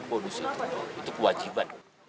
bonus itu itu kewajiban